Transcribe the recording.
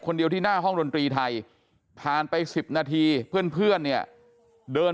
หน้าที่หน้าห้องดนตรีไทยผ่านไป๑๐นาทีเพื่อนเนี่ยเดิน